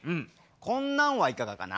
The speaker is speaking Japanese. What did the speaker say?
こんなんはいかがかな？